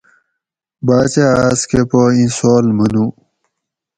باچاۤ آۤس کلہ پا اِیں سوال منو